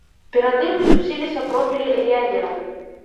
Перад ім мітусіліся профілі легіянераў.